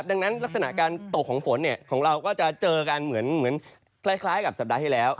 ดังนั้นลักษณะการตกของฝนของเราก็จะเจอกันเหมือนคล้ายกับสัปดาห์ที่แล้ว